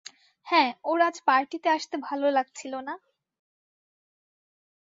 হ্যাঁ, ওর আজ পার্টিতে আসতে ভালো লাগছিল না?